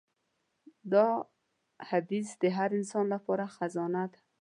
دا حدیث د هر انسان لپاره خزانه ده.